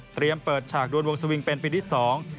เปิดฉากดวนวงสวิงเป็นปีที่สอง